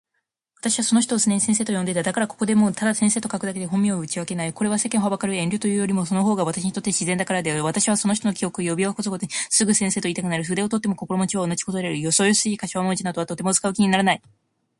私はその人を常に先生と呼んでいた。だからここでもただ先生と書くだけで本名は打ち明けない。これは世間を憚る遠慮というよりも、その方が私にとって自然だからである。私はその人の記憶を呼び起すごとに、すぐ「先生」といいたくなる。筆を執とっても心持は同じ事である。よそよそしい頭文字などはとても使う気にならない。